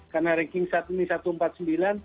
karena ranking saat ini satu ratus empat puluh sembilan